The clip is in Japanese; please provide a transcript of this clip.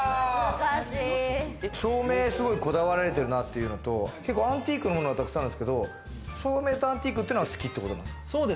照明すごいこだわられてるなっていうのと、結構アンティークのものが、たくさんあるんですけれども、照明とアンティークが好きということ？